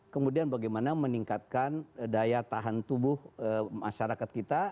kemudian bagaimana meningkatkan daya tahan tubuh masyarakat kita